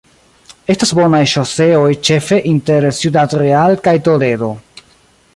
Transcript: Estas bonaj ŝoseoj ĉefe inter Ciudad Real kaj Toledo.